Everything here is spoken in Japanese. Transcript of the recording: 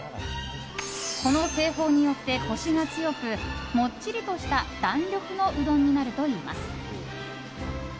この製法によってコシが強くもっちりとした弾力のうどんになるといいます。